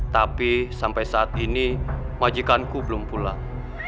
tapi sampai saat ini majikanku belum pulang